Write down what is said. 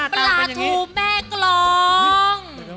ปลาทูแม่กรอง